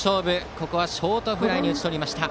ここはショートフライに打ち取りました。